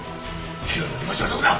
広辺の居場所はどこだ！？